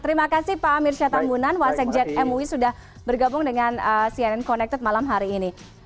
terima kasih pak amir syatambunan wasek jet mui sudah bergabung dengan cnn connected malam hari ini